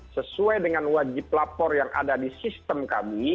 sesuai dengan wajib lapor yang ada di sistem kami